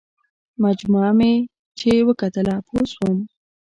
مجموعه مې چې وکتله پوه شوم.